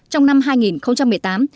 trong năm hai nghìn một mươi tám